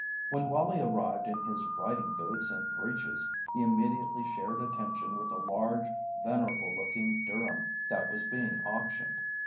When Wallie arrived in his riding boots and breeches he immediately shared attention with a large, venerable looking Durham that was being auctioned.